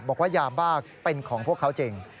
บอกว่ายาบ้าเป็นของพวกเขาจริง